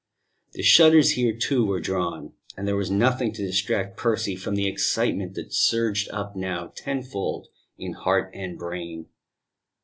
The shutters here, too, were drawn; and there was nothing to distract Percy from the excitement that surged up now tenfold in heart and brain.